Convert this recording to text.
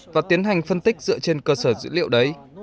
và tiến hành phân tích dựa trên cơ sở dữ liệu đấy